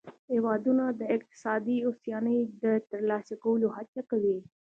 هیوادونه د اقتصادي هوساینې د ترلاسه کولو هڅه کوي